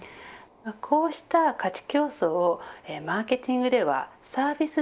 こうした価値競争をマーケティングではサービス